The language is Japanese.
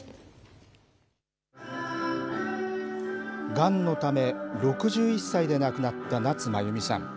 がんのため、６１歳で亡くなった夏まゆみさん。